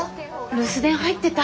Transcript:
留守電入ってた。